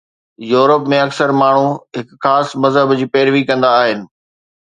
Europe ۾ اڪثر ماڻهو هڪ خاص مذهب جي پيروي ڪندا آهن.